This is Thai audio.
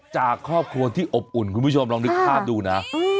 จากครอบครัวที่อบอุ่นคุณผู้ชมลองนึกภาพดูนะ